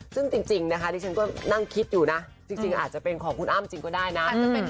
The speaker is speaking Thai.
ซึ่งจริงนะคะที่ฉันก็นั่งคิดอยู่นะจริงอาจจะเป็นของคุณอ้ำจริงก็ได้นะ